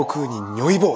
如意棒！わ！